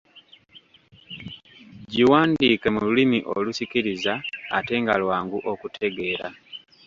Giwandiike mu lulimi olusikiriza ate nga lwangu okutegeera.